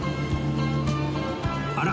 あら！